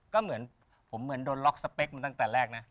ก็เหมือนผมเหมือนโดนล็อกสเปคมาตั้งแต่แรกนะ